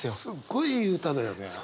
すっごいいい歌だよね。